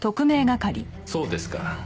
そうですか。